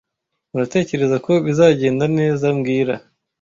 Muratekereza ko bizagenda neza mbwira